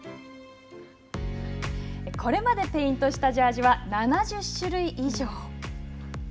ここまでペイントしたジャージは７０種類以上。